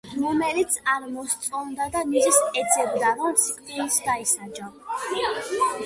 რომელიც არ მოსწონდა და მიზეზს ეძებდა, რომ სიკვდილით დაესაჯა.